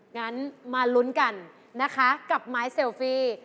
งั้นมาลุ้นกันนะคะกับไม้เซลฟี่